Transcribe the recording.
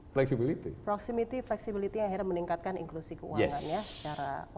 proximity flexibility yang akhirnya meningkatkan inklusi keuangannya secara over